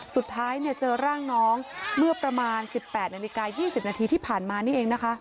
สุดท้ายเจอร่างน้องเมื่อประมาณ๑๘นาฬิกา๒๐นาทีที่ผ่านมานี่เองนะคะ